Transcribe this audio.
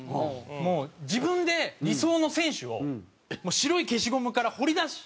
もう自分で理想の選手を白い消しゴムから彫り出し。